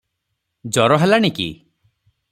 ଜର ହେଲାଣି କି?